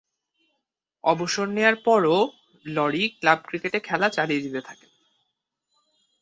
অবসর নেয়ার পরও লরি ক্লাব ক্রিকেটে খেলা চালিয়ে যেতে থাকেন।